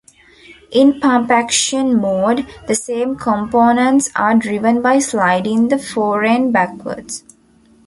In pump-action mode the same components are driven by sliding the fore-end backwards.